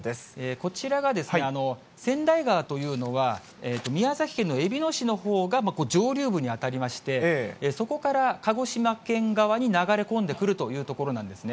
こちらがですね、川内川というのは、宮崎県のえびの市のほうが上流部に当たりまして、そこから鹿児島県側に流れ込んでくるという所なんですね。